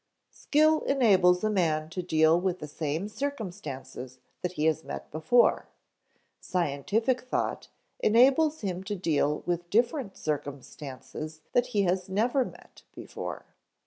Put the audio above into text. "Skill enables a man to deal with the same circumstances that he has met before, scientific thought enables him to deal with different circumstances that he has never met before."